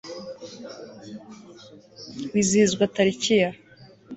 wizihizwa tariki ya